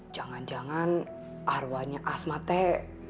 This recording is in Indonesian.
jangan jangan arwahnya asma teh